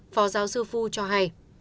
phó giáo sư phu cho hay